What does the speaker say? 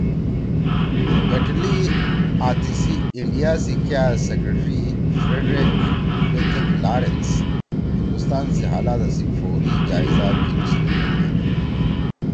ایٹلی آں تیِسی انڈیا سی کیا سیکرٹری (Secretary of State for India) فریڈریک پیتھیِک لارنس (Frederick Pethick-Lawrence) ہندوستان سی حالاتا سی فوری جائزہ گھینُو سی حکم دیِد